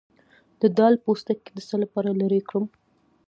د دال پوستکی د څه لپاره لرې کړم؟